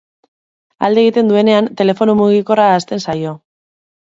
Alde egiten duenean, telefono mugikorra ahazten zaio.